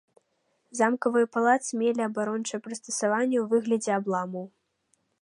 Замкавыя палацы мелі абарончыя прыстасаванні ў выглядзе абламаў.